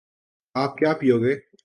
آپ کیا پیو گے